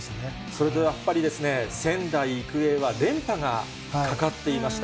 それとやっぱり、仙台育英は連覇がかかっていました。